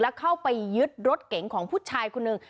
แล้วเข้าไปยึดรถเก๋งของผู้ชายคนหนึ่ง